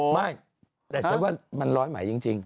ไม่แต่ฉันว่ามันร้อยไหมจริง